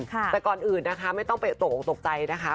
แต่ก่อนอื่นนะคะไม่ต้องไปตกออกตกใจนะคะ